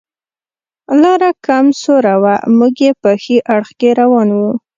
لاره کم سوره وه، موږ یې په ښي اړخ کې روان و.